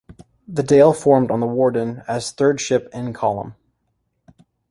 The Dale formed on the Worden as third ship in column.